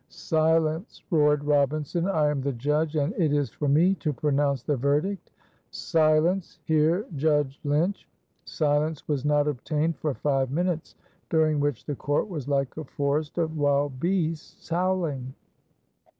"Silence!" roared Robinson, "I am the judge, and it is for me to pronounce the verdict." "Silence! hear Judge Lynch!" Silence was not obtained for five minutes, during which the court was like a forest of wild beasts howling.